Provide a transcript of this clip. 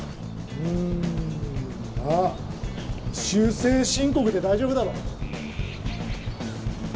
うんまあ修正申告で大丈夫だろ。